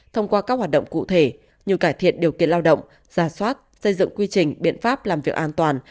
thông qua các hoạt động cụ thể như cải thiện điều kiện lao động gia soát xây dựng quy trình biện pháp làm việc an toàn